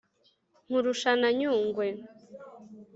Nkurusha na Nyungwe